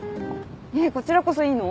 えっこちらこそいいの？